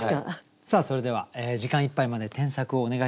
さあそれでは時間いっぱいまで添削をお願いしたいと思います。